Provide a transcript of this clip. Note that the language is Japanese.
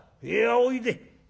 「いやおいで。